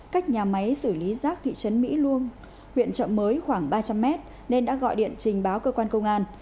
cách nhà máy xử lý rác thị trấn mỹ luông huyện trợ mới khoảng ba trăm linh mét nên đã gọi điện trình báo cơ quan công an